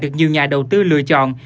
được nhiều nhà đầu tư lựa chọn